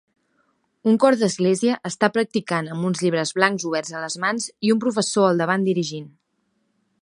Un cor d'església està practicant amb uns llibres blancs oberts a les mans i un professor al davant dirigint.